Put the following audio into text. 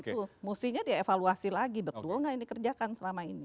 itu mestinya dievaluasi lagi betul nggak yang dikerjakan selama ini